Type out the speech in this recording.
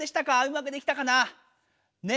うまくできたかな？